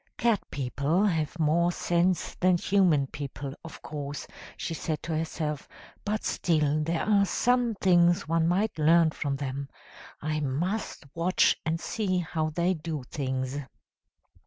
"'Cat people have more sense than human people, of course,' she said to herself; 'but still there are some things one might learn from them. I must watch and see how they do things.'